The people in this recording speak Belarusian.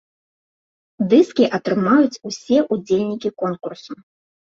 Дыскі атрымаюць усе удзельнікі конкурсу!